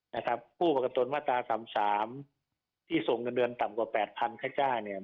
นะครับผู้ประกันตนมาตราสามสามที่ส่งเงินเดือนต่ำกว่าแปดพันค่าจ้างเนี่ย